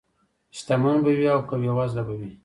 شتمن به وي او که بېوزله به وي.